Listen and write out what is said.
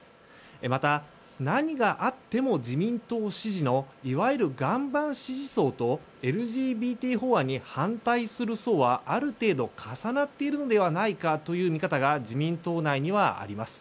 また、何があっても自民党支持のいわゆる岩盤支持層とＬＧＢＴ法案に反対する層はある程度、重なっているのではないかという見方が自民党内にはあります。